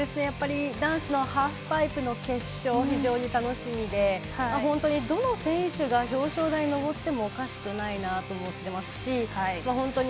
男子のハーフパイプの決勝非常に楽しみで本当にどの選手が表彰台に上ってもおかしくないなと思っていますし。